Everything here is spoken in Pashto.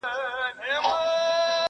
دودونه بايد بدل سي ژر،